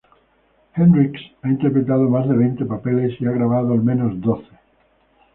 Hendricks ha interpretado más de veinte papeles y ha grabado al menos doce.